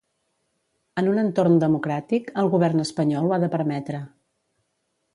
En un entorn democràtic, el govern espanyol ho ha de permetre.